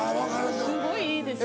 すごいいいですよね。